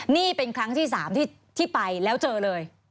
นี่เป็นครั้งที่๓ที่ไปแล้วเจอเลย